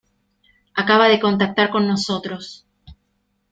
acaba de contactar con nosotros.